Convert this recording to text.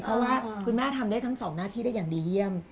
เพราะว่าคุณแม่ทำได้ทั้งสองหน้าที่ได้อย่างดีเยี่ยม